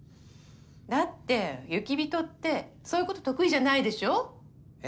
だって雪人ってそういうこと得意じゃないでしょ？え？